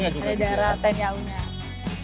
iya daerah ten yau nya